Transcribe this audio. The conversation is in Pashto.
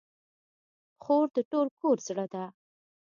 خور د ټول کور زړه ده.